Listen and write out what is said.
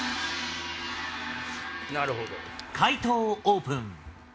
解答をオープン。